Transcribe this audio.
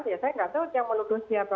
saya tidak tahu yang meludus siapa